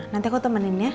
nanti aku temenin ya